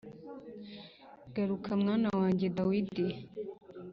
Garuka mwana wanjye Dawidi